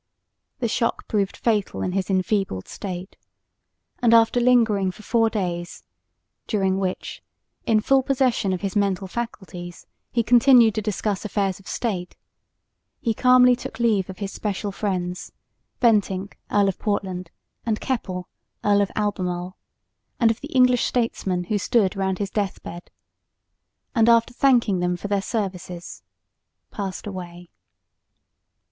The shock proved fatal in his enfeebled state; and, after lingering for four days, during which, in full possession of his mental faculties, he continued to discuss affairs of state, he calmly took leave of his special friends, Bentinck, Earl of Portland and Keppel, Earl of Albemarle, and of the English statesmen who stood round his death bed, and, after thanking them for their services, passed away.